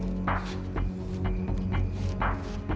iya bentar sabar dong